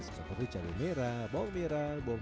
seperti cabai merah bawang merah dan garam